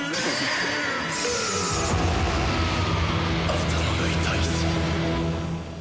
頭が痛いぜ。